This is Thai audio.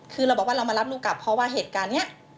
คือเราบอกว่าเรามารับลูกกลับเพราะว่าเหตุการณ์นี้